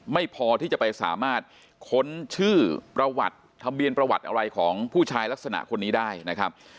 ไม่พอที่จะไปสามารถค้นชื่อประวัติทะเบียนประวัติอะไรของผู้ชายลักษณะคนนี้ได้นะครับ